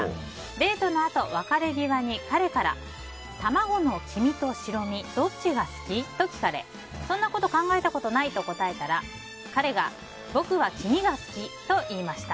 デートのあと、別れ際に、彼から卵の黄身と白身どっちが好き？と聞かれそんなこと考えたことないと答えたら彼が僕は黄身が好きと言いました。